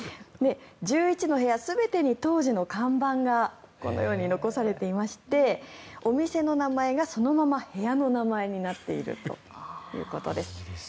１１の部屋全てに当時の看板がこのように残されていましてお店の名前がそのまま部屋の名前になっているということです。